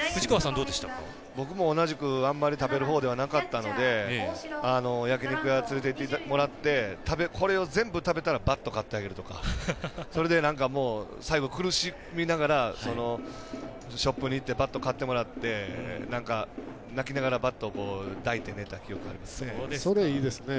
僕も同じくあんまり食べるほうではなかったんで焼き肉屋連れて行ってもらってこれを全部、食べたらバット買ってあげるとかそれで、最後、苦しみながらショップに行ってバット買ってもらって泣きながらバットを抱いて寝た記憶ありますね。